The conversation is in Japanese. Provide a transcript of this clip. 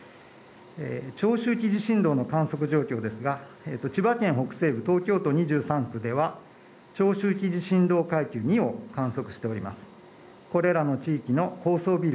長周期地震動の観測状況ですが千葉県北西部東京都２３区では長周期地震動を観測しております。